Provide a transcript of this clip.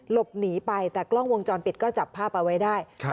หลบหนีไปแต่กล้องวงจรปิดก็จับผ้าไปไว้ได้ค่ะ